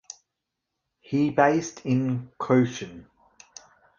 He based in Cochin.